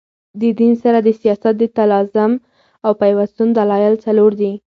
د دین سره د سیاست د تلازم او پیوستون دلایل څلور دي.